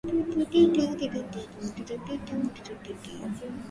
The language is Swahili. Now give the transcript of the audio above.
Chini ya ushirika wa nchi za maziwa makuu na ushirikiano wa baina ya nchi.